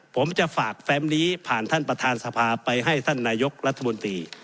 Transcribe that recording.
ผมจะฝากแฟมนี้ผ่านท่านประธานสภาไปให้ท่านนายกรัฐมนตรี